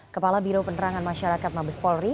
kepala biro penerangan masyarakat mabes polri